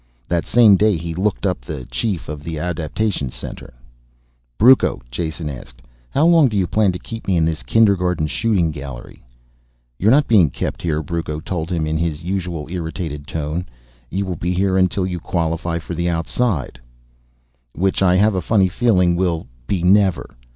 That same day he looked up the chief of the adaptation center. "Brucco," Jason asked, "how long do you plan to keep me in this kindergarten shooting gallery?" "You're not being 'kept' here," Brucco told him in his usual irritated tone. "You will be here until you qualify for the outside." "Which I have a funny feeling will be never.